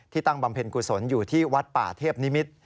ตั้งบำเพ็ญกุศลอยู่ที่วัดป่าเทพนิมิตร